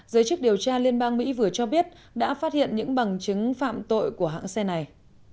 giới chức điều tra liên bang mỹ vừa cho biết đã phát hiện những bằng chứng phạm tội của hãng xe này